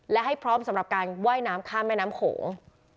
และให้พร้อมสำหรับการว่ายน้ำข้ามแม่น้ำโขง